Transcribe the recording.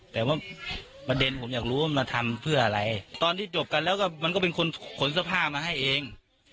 แต่ว่ามัจมัดเล่นหวังอยากรู้ว่ารวมมาทำเพื่ออะไรตอนที่จบกันแล้วก็มันก็เป็นคนขนสภาพมาให้เอง